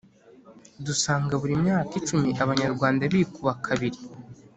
dusanga buri myaka icumi abanyarwanda bikuba kabiri.